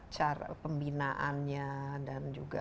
cara pembinaannya dan juga